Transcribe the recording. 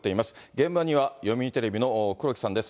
現場には読売テレビの黒木さんです。